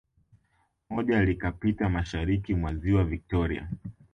Moja likapita mashariki mwa Ziwa Victoria